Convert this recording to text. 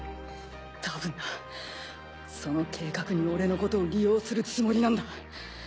たぶんなその計画に俺のことを利用するつもりなんだ。